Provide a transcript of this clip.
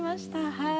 はい。